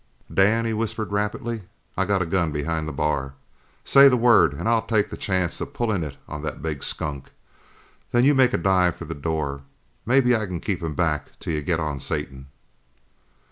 "Dan," he whispered rapidly, "I got a gun behind the bar. Say the word an' I'll take the chance of pullin' it on that big skunk. Then you make a dive for the door. Maybe I can keep him back till you get on Satan."